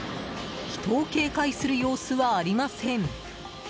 人を警戒する様子はありません。